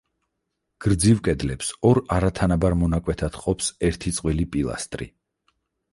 გრძივ კედლებს ორ არათანაბარ მონაკვეთად ყოფს ერთი წყვილი პილასტრი.